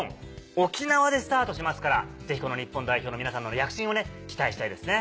沖縄でスタートしますからぜひ日本代表の皆さんの躍進を期待したいですね。